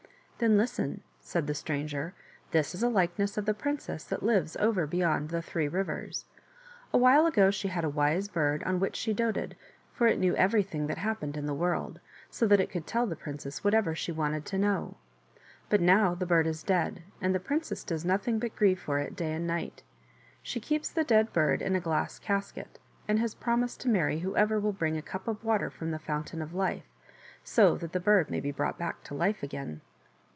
" Then listen !" said the stranger, " this is a likeness of the princess that lives over beyond the three rivers. A while ago she had a wise bird on which she doted, for it knew everything that happened in the world, so that it could tell the princess whatever she wanted to know. But now the bird is dead, and the princess does nothing but grieve for it day and night. She keeps the dead bird in a glass casket, and has promised to marry whoever will bring a cup of water from the Fountain of Life, so that the bird may be brought back to life again."